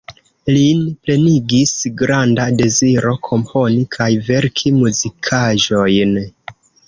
Lin plenigis granda deziro komponi kaj verki muzikaĵojn.